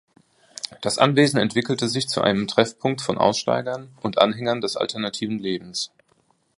Das Anwesen entwickelte sich zu einem Treffpunkt von Aussteigern und Anhängern des alternativen Lebens.